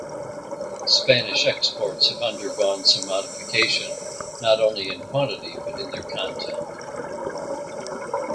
Spanish exports have undergone some modification not only in quantity but in their content.